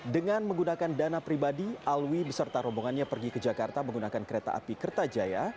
dengan menggunakan dana pribadi alwi beserta rombongannya pergi ke jakarta menggunakan kereta api kertajaya